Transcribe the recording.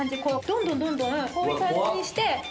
どんどんこういう感じにして。